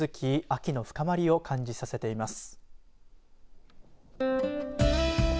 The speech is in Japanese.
秋の深まりを感じさせています。